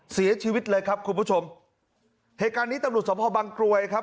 เสียชีวิตเลยครับคุณผู้ชมเหตุการณ์นี้ตำรวจสมภาพบังกรวยครับ